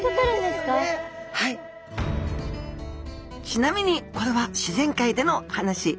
ちなみにこれは自然界での話。